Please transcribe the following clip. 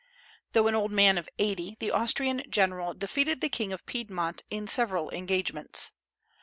Though an old man of eighty, the Austrian general defeated the King of Piedmont in several engagements.